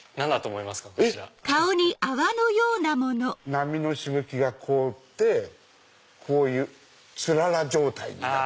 波のしぶきが凍ってこういうつらら状態になった！